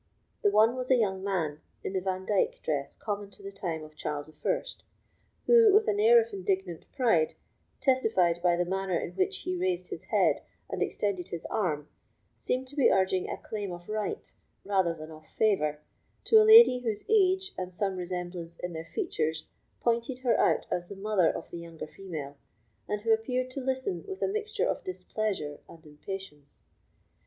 The one was a young man, in the Vandyke dress common to the time of Charles I., who, with an air of indignant pride, testified by the manner in which he raised his head and extended his arm, seemed to be urging a claim of right, rather than of favour, to a lady whose age, and some resemblance in their features, pointed her out as the mother of the younger female, and who appeared to listen with a mixture of displeasure and impatience.